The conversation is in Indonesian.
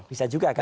bisa juga kan